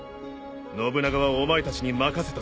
信長はお前たちに任せたぞ。